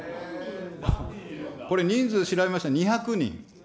これ、人数調べましたら２００人。